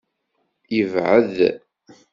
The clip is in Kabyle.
Yebɛed.